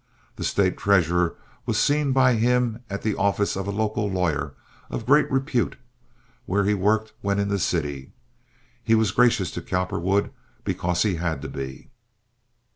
The State treasurer was seen by him at the office of a local lawyer of great repute, where he worked when in the city. He was gracious to Cowperwood, because he had to be.